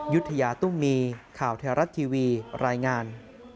ยุธยาตุ้มมีข่าวไทยรัฐทีวีรายงาน